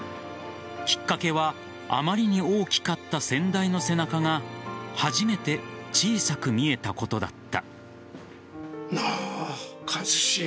きっかけはあまりに大きかった先代の背中が初めて小さく見えたことだった。